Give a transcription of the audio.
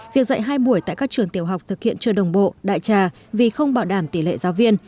việc dạy hai buổi tại các trường tiểu học thực hiện chưa đồng bộ đại trà vì không bảo đảm tỷ lệ giáo viên